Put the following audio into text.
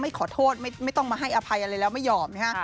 ขอโทษไม่ต้องมาให้อภัยอะไรแล้วไม่ยอมนะฮะ